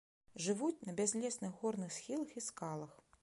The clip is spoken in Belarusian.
Жывуць на бязлесных горных схілах і скалах.